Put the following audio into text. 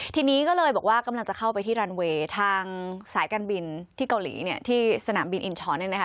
ทีนี้ก็เลยบอกว่ากำลังจะเข้าไปที่รันเวย์ทางสายการบินที่เกาหลีเนี่ยที่สนามบินอินชรเนี่ยนะคะ